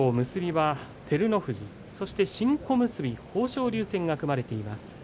結びは照ノ富士そして新小結の豊昇龍戦が組まれています。